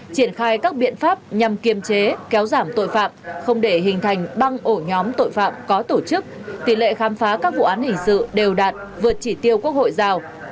triển khai các biện pháp nhằm kiềm chế kéo giảm tội phạm không để hình thành băng ổ nhóm tội phạm có tổ chức tỷ lệ khám phá các vụ án hình sự đều đạt vượt chỉ tiêu quốc hội giao